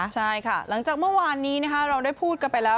ใช่ค่ะหลังจากเมื่อวานนี้เราได้พูดกันไปแล้ว